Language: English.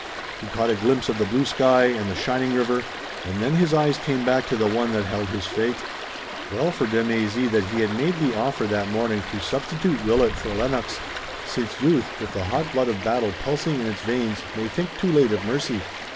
He caught a glimpse of the blue sky and the shining river, and then his eyes came back to the one that held his fate. Well for de Mézy that he had made the offer that morning to substitute Willet for Lennox, since youth, with the hot blood of battle pulsing in its veins, may think too late of mercy.